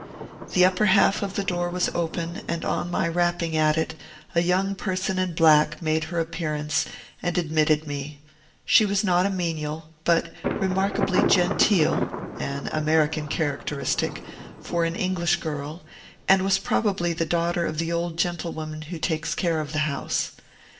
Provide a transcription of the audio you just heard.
The upper half of the door was open, and, on my rapping at it, a young person in black made her appearance and admitted me; she was not a menial, but remarkably genteel (an American characteristic) for an English girl, and was probably the daughter of the old gentlewoman who takes care of the house.